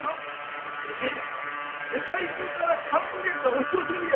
いやいやいや世界中から観光客が押し寄せるよ。